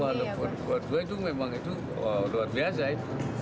walaupun dua puluh dua itu memang luar biasa itu